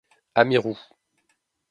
A Mirou!